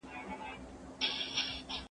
زه اجازه لرم چي لیکل وکړم!؟